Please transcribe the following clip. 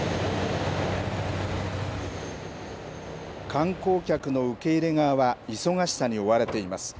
観光客の受け入れ側は、忙しさに追われています。